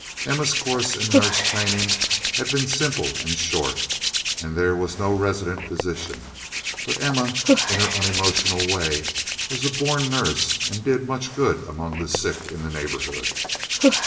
Emma's course in nurse training had been simple and short and there was no resident physician; but Emma, in her unemotional way, was a born nurse and did much good among the sick in the neighborhood.